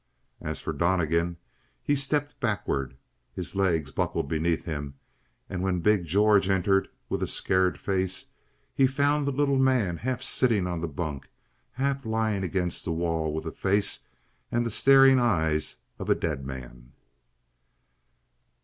As for Donnegan, he stepped backward, his legs buckled beneath him, and when big George entered, with a scared face, he found the little man half sitting on the bunk, half lying against the wall with the face and the staring eyes of a dead man.